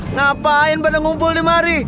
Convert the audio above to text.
ngapain pada ngumpul di mari